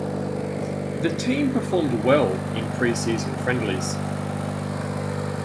The team performed well in pre-season friendlies.